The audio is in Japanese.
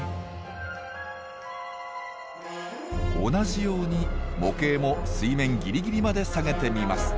同じように模型も水面ギリギリまで下げてみます。